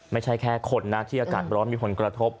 ไม่ใช่แค่คนนะที่อากาศร้อนมีผลกระทบ